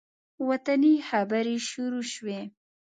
وطني خبرې شروع شوې.